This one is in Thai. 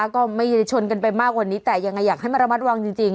ก็ไม่ชนกันไปมากวันนี้แต่อย่างไรอยากให้มาระมัดวางจริง